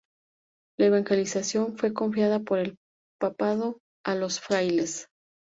La evangelización, fue confiada por el Papado a los frailes.